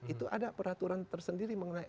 itu ada peraturan tersendiri mengenai